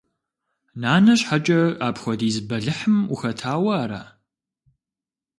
Нанэ щхьэкӀэ апхуэдиз бэлыхьым ухэтауэ ара?